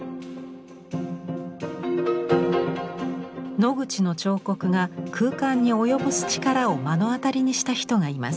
ノグチの彫刻が空間に及ぼす力を目の当たりにした人がいます。